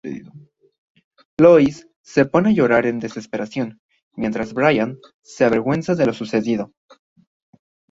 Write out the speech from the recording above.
Lois se pone a llorar de desesperación, mientras Brian se avergüenza de lo sucedido.